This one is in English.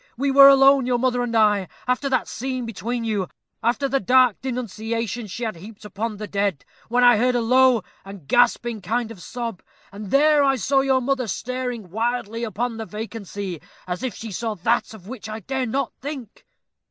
We were alone, your mother and I, after that scene between you; after the dark denunciations she had heaped upon the dead, when I heard a low and gasping kind of sob, and there I saw your mother staring wildly upon the vacancy, as if she saw that of which I dare not think."